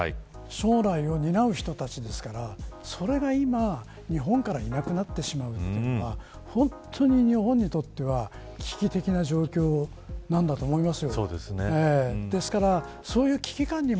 将来を担う人たちですからそれが今日本からいなくなってしまっているというのは日本にとっては本当に危機的な状況なんだと思います。